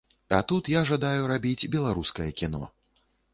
А тут я жадаю рабіць беларускае кіно.